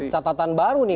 catatan baru nih